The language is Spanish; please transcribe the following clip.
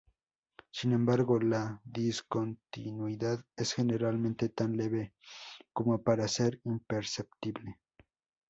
Sin embargo, la discontinuidad es generalmente tan leve como para ser imperceptible.